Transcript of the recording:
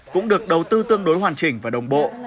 cũng được đầu tư tương đối hoàn chỉnh và đồng bộ